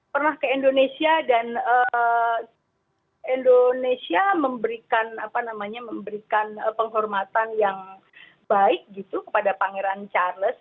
pernah ke indonesia dan indonesia memberikan apa namanya memberikan penghormatan yang baik gitu kepada pangeran charles